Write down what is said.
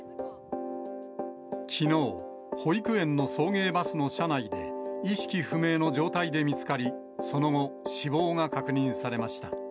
きのう、保育園の送迎バスの車内で、意識不明の状態で見つかり、その後、死亡が確認されました。